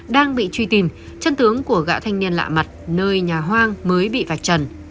đang bị truy tìm chân tướng của gã thanh niên lạ mặt nơi nhà hoang mới bị vạch trần